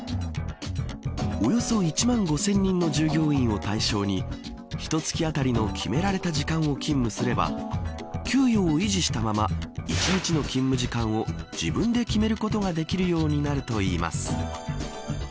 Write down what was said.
およそ１万５０００人の従業員を対象にひと月あたりの決められた時間を勤務すれば給与を維持したまま１日の勤務時間を自分で決めることができるようになるといいます。